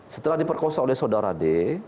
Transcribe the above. setelah diperkosa oleh saudara d